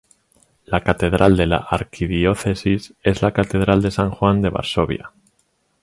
La catedral de la arquidiócesis es la Catedral de San Juan de Varsovia.